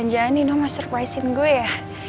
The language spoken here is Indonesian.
apa jalan jalan nino mau surprise in gue ya